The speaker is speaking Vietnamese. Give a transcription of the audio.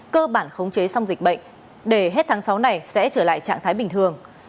cơ bản khống chế xong dịch bệnh để hết tháng sáu này sẽ trở lại trạng thái bình thường